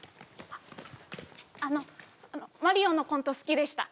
あのマリオのコント好きでした